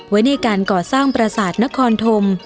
ไว้ในการก่อสร้างประสาทนครธม